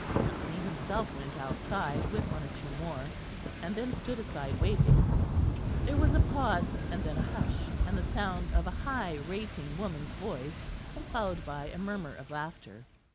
Anthony himself went outside with one or two more, and then stood aside waiting. There was a pause and then a hush; and the sound of a high rating woman's voice, followed by a murmur of laughter.